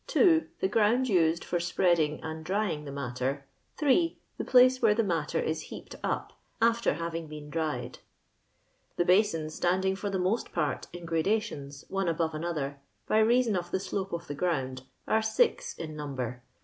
2. The ground used for spreading and drying the matter. 3. The place where the matter is heaped up after having been dried. *^ The basins, standing for the most part in gradations, one above another, by reason of the slope of the gromid, are six in number.